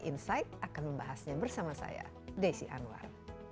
insight akan membahasnya bersama saya desi anwar